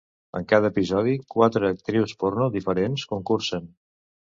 En cada episodi, quatre actrius porno diferents concursen.